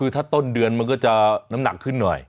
ถ้าต้นเดือนมันก็จะน้ำหนักขึ้นหน่อย